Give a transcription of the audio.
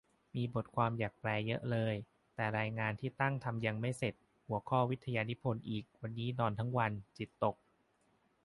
มีบทความอยากแปลเยอะแยะเลย แต่รายงานที่ตั้งทำยังไม่เสร็จ หัวข้อวิทยานิพนธ์อีก วันนี้นอนทั้งวัน จิตตก